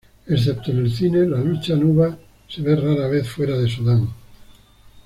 Excepto en el cine, la lucha nuba se ve rara vez fuera de Sudán.